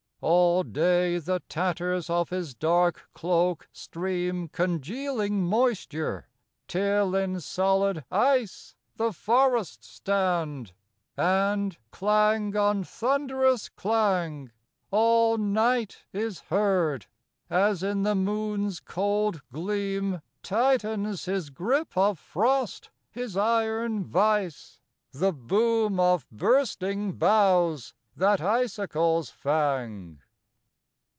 All day the tatters of his dark cloak stream Congealing moisture, till in solid ice The forests stand; and, clang on thunderous clang, All night is heard, as in the moon's cold gleam Tightens his grip of frost, his iron vise, The boom of bursting boughs that icicles fang.